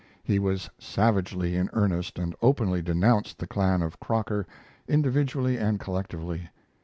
He was savagely in earnest and openly denounced the clan of Croker, individually and collectively.